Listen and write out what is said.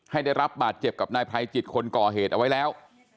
ได้รับบาดเจ็บกับนายไพรจิตคนก่อเหตุเอาไว้แล้ว